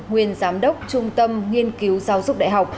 nguyên giám đốc trung tâm nghiên cứu giáo dục đại học